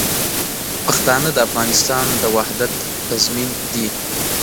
پښتانه د افغانستان د وحدت تضمین دي.